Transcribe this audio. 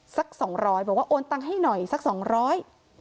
สักสองร้อยบอกว่าโอนตังค์ให้หน่อยสักสองร้อย